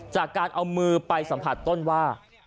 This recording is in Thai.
จากการเอามือไปสัมผัสต้นว่า